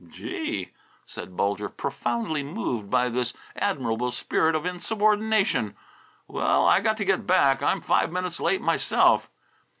"Gee!" said Bulger, profoundly moved by this admirable spirit of insubordination. "Well, I got to get back; I'm five minutes late myself."